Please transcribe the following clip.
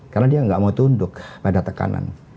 karena dia nggak mau tunduk pada tekanan